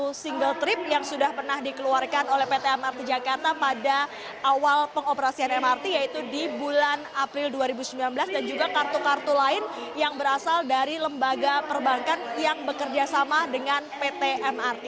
itu single trip yang sudah pernah dikeluarkan oleh pt mrt jakarta pada awal pengoperasian mrt yaitu di bulan april dua ribu sembilan belas dan juga kartu kartu lain yang berasal dari lembaga perbankan yang bekerja sama dengan pt mrt